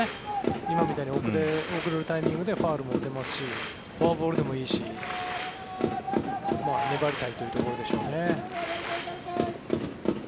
今みたいに遅れるタイミングでファウルも打てますしフォアボールでもいいし粘りたいというところでしょうね。